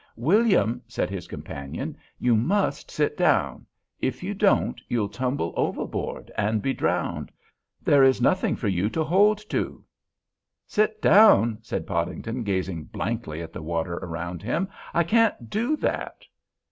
"William," said his companion, "you must sit down; if you don't, you'll tumble overboard and be drowned. There is nothing for you to hold to." "Sit down," said Podington, gazing blankly at the water around him, "I can't do that!"